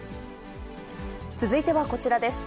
続いてはこちらです。